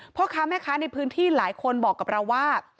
พ่อค้าแม่ค้าในพื้นที่หลายคนบอกกับเราว่า